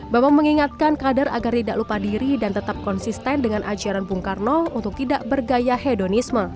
bambang mengingatkan kader agar tidak lupa diri dan tetap konsisten dengan ajaran bung karno untuk tidak bergaya hedonisme